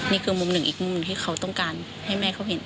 นี่คือมุมหนึ่งอีกมุมที่เขาต้องการให้แม่เขาเห็น